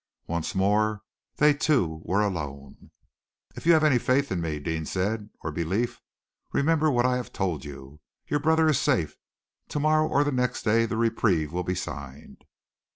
Once more they two were alone. "If you have any faith in me," Deane said, "or any belief, remember what I have told you. Your brother is safe. To morrow or the next day the reprieve will be signed."